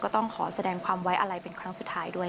ต้องขอแสดงความไว้อะไรเป็นครั้งสุดท้ายด้วย